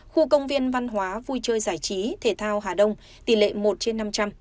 khu công viên văn hóa vui chơi giải trí thể thao hà đông tỷ lệ một trên năm trăm linh